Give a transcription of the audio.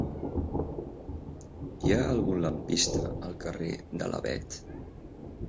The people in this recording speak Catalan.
Hi ha algun lampista al carrer de l'Avet?